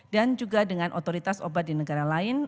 dan juga dengan otoritas obat di negara lain